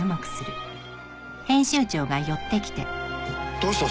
どうした？